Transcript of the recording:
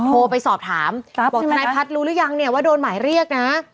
โทรไปสอบถามบอกทนายพัฒน์รู้หรือยังเนี่ยว่าโดนหมายเรียกนะ